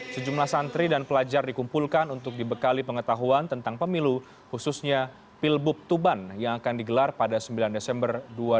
sejumlah santri dan pelajar dikumpulkan untuk dibekali pengetahuan tentang pemilu khususnya pilbub tuban yang akan digelar pada sembilan desember dua ribu dua puluh